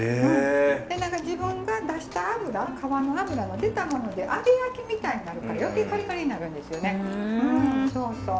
自分が出した脂皮の脂の出たもので揚げ焼きみたいになるから余計カリカリになるんですよね。